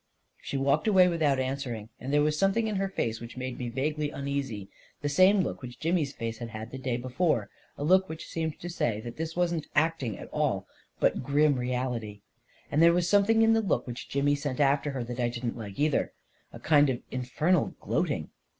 She walked away without answering, and there was something in her face which made me vaguely uneasy" — the same look which Jimmy's face had had the day before — a look which seemed to say that this wasn't acting at all, but grim reality. And A KING IN BABYLON 253 there was something in the look which Jimmy sent after her I didn't like, either — a kind of infernal gloating